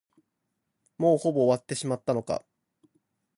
もうほぼ終わってしまったのか。